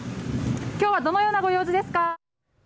今日はどのようなご用事ですか。